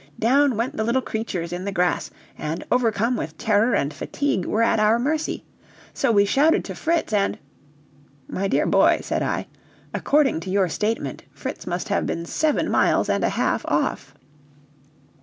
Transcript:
Down went the little creatures in the grass, and, overcome with terror and fatigue, were at our mercy. So we shouted to Fritz, and " "My dear boy," said I, "according to your statement, Fritz must have been seven miles and a half off."